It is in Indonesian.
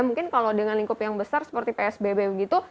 mungkin kalau dengan lingkup yang besar seperti psbb begitu